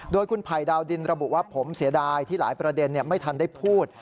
โดยคุณไผ่ดาวดินระบุว่าผมเสียดายที่หลายประเด็นไม่ทันได้พูด